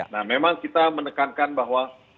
nah memang kita menekankan bahwa